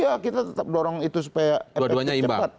oh iya kita tetap dorong itu supaya ruu penyadapan cepat